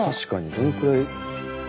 どんくらい？